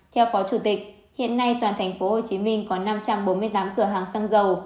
theo phó chủ tịch hiện nay toàn tp hcm có năm trăm bốn mươi tám cửa hàng xăng dầu